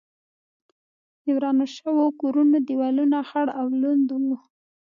د ورانو شوو کورونو دېوالونه خړ او لوند و.